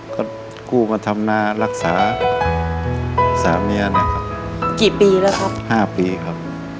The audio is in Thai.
ก็กู้มาทำหน้ารักษาสามีเนี่ยครับกี่ปีแล้วครับห้าปีครับ